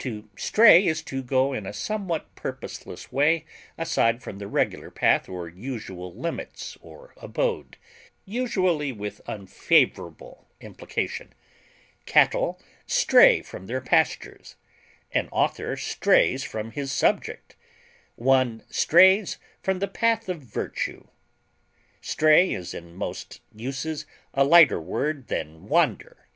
To stray is to go in a somewhat purposeless way aside from the regular path or usual limits or abode, usually with unfavorable implication; cattle stray from their pastures; an author strays from his subject; one strays from the path of virtue. Stray is in most uses a lighter word than wander.